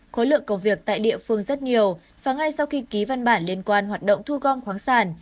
khối lượng công việc tại địa phương rất nhiều và ngay sau khi ký văn bản liên quan hoạt động thu gom khoáng sản